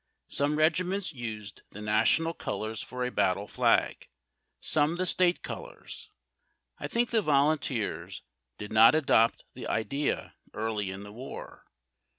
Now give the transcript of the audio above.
Some regiments used the national colors for a battle Hag, some the state colors. I think the vol unteers did not adopt tlie idea early in the war.